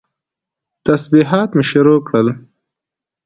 تسبيحات مې شروع کړل.